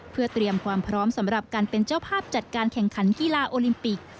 เพื่อเตรียมความพร้อมสำหรับการเป็นเจ้าภาพจัดการแข่งขันกีฬาโอลิมปิก